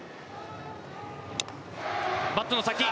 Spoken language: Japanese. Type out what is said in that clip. バットの先。